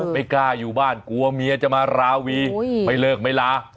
ไม่กล้าอยู่บ้านกลัวเมียจะมาราวีไม่เลิกไม่ลา